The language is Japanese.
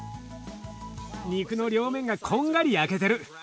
肉の両面がこんがり焼けてる。